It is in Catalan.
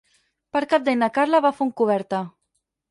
Per Cap d'Any na Carla va a Fontcoberta.